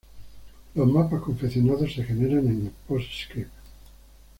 Los mapas confeccionados se generan en Postscript.